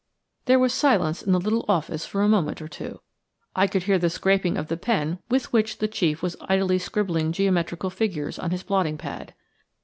There was silence in the little office for a moment or two. I could hear the scraping of the pen with which the chief was idly scribbling geometrical figures on his blotting pad.